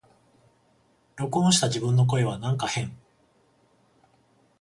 録音した自分の声はなんか変